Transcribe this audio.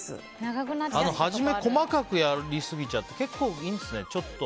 初め、細かくやりすぎちゃって結構、いいんですね